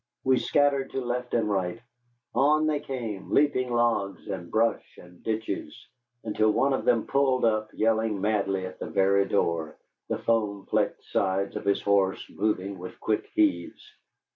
We scattered to right and left. On they came, leaping logs and brush and ditches, until one of them pulled up, yelling madly, at the very door, the foam flecked sides of his horse moving with quick heaves.